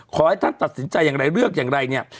ขอให้ท่านตัดสินใจอย่างไรเลือกอย่างไรเนี่ย